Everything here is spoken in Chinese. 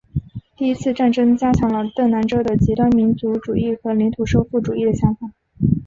第一次战争加强了邓南遮的极端民族主义和领土收复主义的想法。